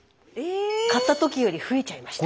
買った時より増えちゃいました。